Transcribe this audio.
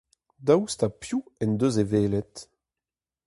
Daoust ha piv en deus e welet ?